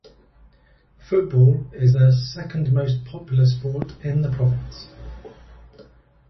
Football is the second most popular sport in the province.